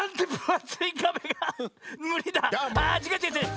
あちがうちがうちがう！